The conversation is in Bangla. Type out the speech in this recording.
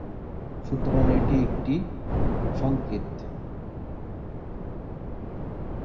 সুতরাং এটি একটি সংকেত।